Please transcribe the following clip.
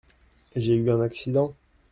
J’ai eu un accident.